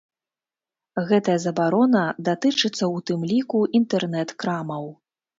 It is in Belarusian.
Гэтая забарона датычыцца ў тым ліку інтэрнэт-крамаў.